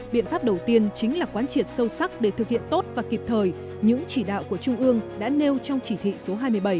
biện pháp đầu tiên chính là quan triệt sâu sắc để thực hiện tốt và kịp thời những chỉ đạo của trung ương đã nêu trong chỉ thị số hai mươi bảy